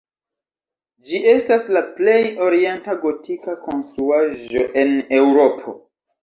Ĝi estas la plej orienta gotika konstruaĵo en Eŭropo.